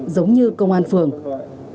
giống như công an phương pháp